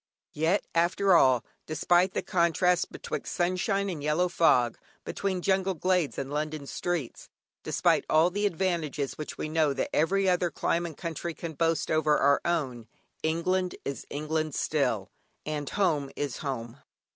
Yet after all, despite the contrast betwixt sunshine and yellow fog, between jungle glades and London streets, despite all the advantages which we know that every other clime and country can boast over our own, England is England still, and Home is Home.